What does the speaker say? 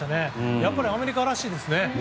やっぱりアメリカらしいですね。